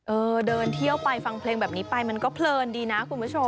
เออเดินเที่ยวไปฟังเพลงแบบนี้ไปมันก็เพลินดีนะคุณผู้ชม